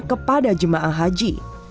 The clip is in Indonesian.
kepada jemaah haji